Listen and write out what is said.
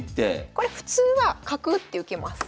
これ普通は角打って受けます。